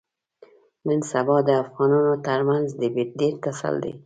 نن سبا د افغانانو ترمنځ ډېر ټسل دی.